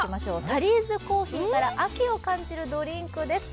タリーズコーヒーから秋を感じるドリンクです。